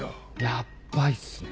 ヤッバいっすね。